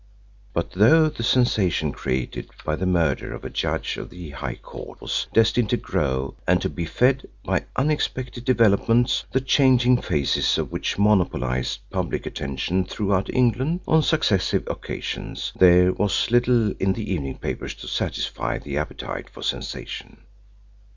But though the sensation created by the murder of a judge of the High Court was destined to grow and to be fed by unexpected developments, the changing phases of which monopolised public attention throughout England on successive occasions, there was little in the evening papers to satisfy the appetite for sensation.